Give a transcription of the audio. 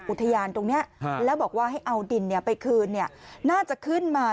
อุทยานตรงนี้แล้วบอกว่าให้เอาดินไปคืนน่าจะขึ้นมา